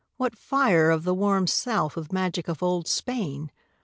what fire Of the "warm South" with magic of old Spain!